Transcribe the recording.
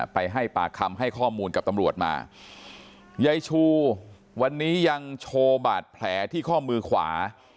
ไปให้ปากคำให้ข้อมูลกับตำรวจมายายชูวันนี้ยังโชว์บาดแผลที่ข้อมือขวา